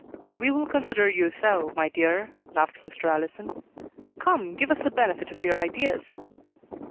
"We will consider you so, my dear," laughed Mr. Allison. "Come, give us the benefit of your ideas."